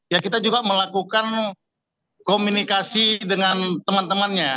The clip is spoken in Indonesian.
ya kita juga melakukan komunikasi dengan teman temannya